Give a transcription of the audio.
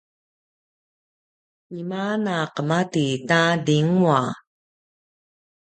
tima na qemati ta dingwa?